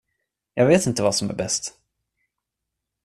Jag vet inte vad som är bäst.